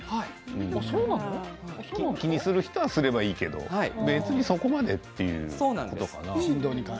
気にする人は気にすればいいけど別にそこまでということですね。